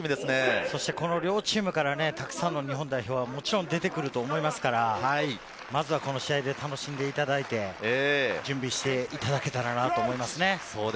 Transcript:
両チームからたくさんの日本代表が出てくると思いますから、まずはこの試合で楽しんでいただいて、準備していただけたらと思います。